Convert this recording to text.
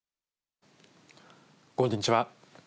こんにちは。